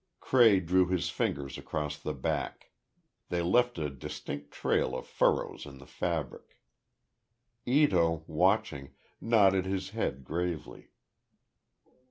Cray drew his fingers across the back. They left a distinct trail of furrows in the fabric. Ito, watching, nodded his head, gravely.